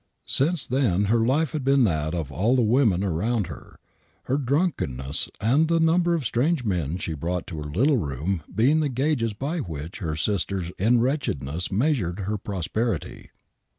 Since then her life had been that of all the women around her ; her drunkenness and the number of strange men she brought to her little room being the gauges by which her sisters in wretchedness measured her prosperity.